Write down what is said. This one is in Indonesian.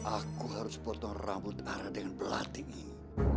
aku harus potong rambut arya dengan belating ini